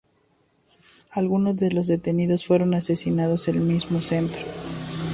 Algunos de los detenidos fueron asesinados en el mismo centro.